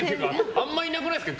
あんまいなくないですか？